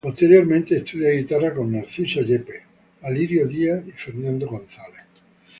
Posteriormente estudia guitarra con Narciso Yepes, Alirio Díaz, Fernando González.